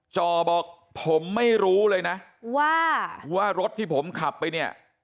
จอบอกผมไม่รู้เลยนะว่าว่ารถที่ผมขับไปเนี่ย